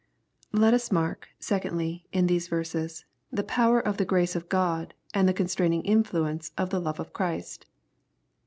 Let us mark, secondly, in these verses, the power of the grace of God, and the constraining infltience of the love of Christ.